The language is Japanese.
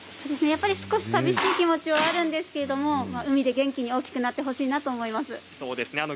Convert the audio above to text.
少しさみしい気持ちはあるんですけれど海で元気に大きくなってほしいなと思います。